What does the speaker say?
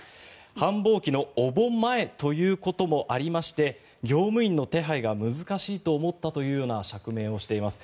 繁忙期のお盆前ということもありまして業務員の手配が難しいと思ったという釈明をしています。